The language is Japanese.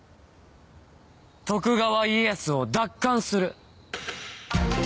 徳川家康を奪還する！